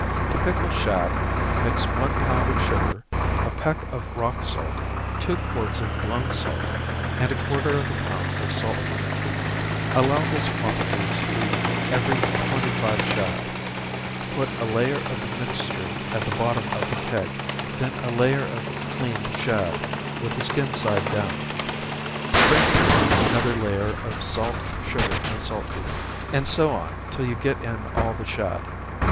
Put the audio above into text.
To pickle shad, mix one pound of sugar, a peck of rock salt, two quarts of blown salt, and a quarter of a pound of salt petre. Allow this quantity to every twenty five shad. Put a layer of the mixture at the bottom of the keg, then a layer of cleaned shad, with the skin side down. Sprinkle on another layer of salt, sugar, and salt petre, and so on till you get in all the shad.